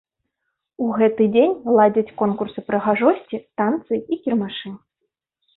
У гэты дзень ладзяць конкурсы прыгажосці, танцы і кірмашы.